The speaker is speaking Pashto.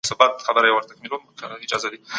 بشري ټولني د تکامل په لور روانې دي.